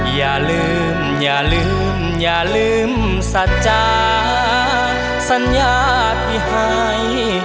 อย่าลืมอย่าลืมอย่าลืมสัจจาสัญญาที่ให้